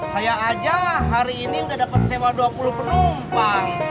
saya aja hari ini udah dapat sewa dua puluh penumpang